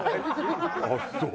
ああそう。